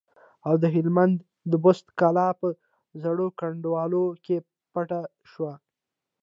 او د هلمند د بست کلا په زړو کنډوالو کې پټ شو.